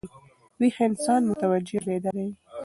ویښ انسان متوجه او بیداره يي.